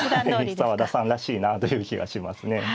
澤田さんらしいなという気がしますね。